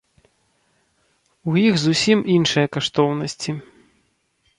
У іх зусім іншыя каштоўнасці.